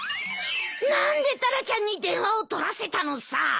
何でタラちゃんに電話を取らせたのさ！